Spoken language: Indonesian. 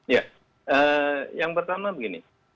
ya yang pertama begini